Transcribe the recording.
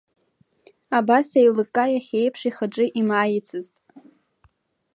Абас еилыкка иахьа еиԥш ихаҿы имааицызт.